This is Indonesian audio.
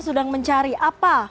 sudah mencari apa